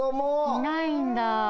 いないんだ。